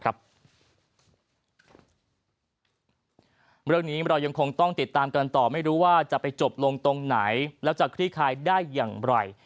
เรื่องนี้เรายังคงต้องติดตามกันต่อไม่รู้ว่าจะไปจบลงตรงไหนแล้วจะคลี่คลายได้อย่างไร